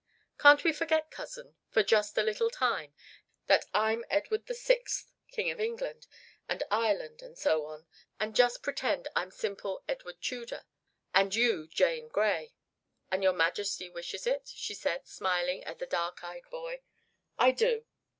Can't we forget, cousin, for just a little time, that I'm Edward the Sixth, King of England and Ireland and so on, and just pretend I'm simple Edward Tudor and you Jane Grey?" "An your Majesty wishes it," she said, smiling at the dark eyed boy. "I do."